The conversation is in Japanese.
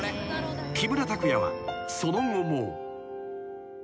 ［木村拓哉はその後も］